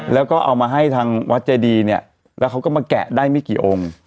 แล้วก็เอามาให้ทางวัดเจดีเนี่ยแล้วเขาก็มาแกะได้ไม่กี่องค์